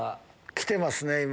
来てますね今。